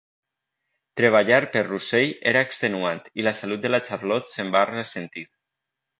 Treballar per Russell era extenuant i la salut de la Charlotte se’n va ressentir.